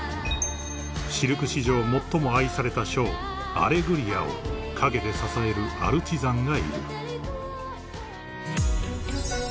［シルク史上最も愛されたショー『アレグリア』を陰で支えるアルチザンがいる］